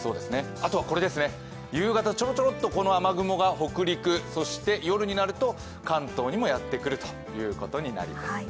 あとは夕方ちょろちょろっとこの雨雲が北上、関東にもやってくるということになります。